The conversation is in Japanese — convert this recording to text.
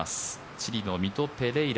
チリのミト・ペレイラ。